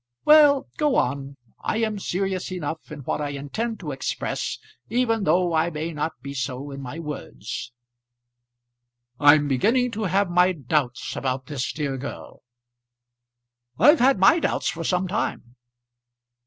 "Well, go on; I am serious enough in what I intend to express, even though I may not be so in my words." "I'm beginning to have my doubts about this dear girl." "I've had my doubts for some time."